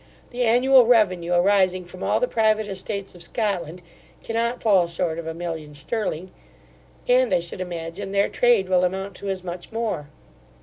The annual revenue arising from all the private estates of Scotland cannot fall short of a million sterling; and, I should imagine, their trade will amount to as much more.